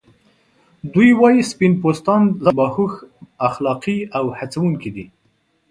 دوی وايي سپین پوستان ذاتاً باهوښ، اخلاقی او هڅونکي دي.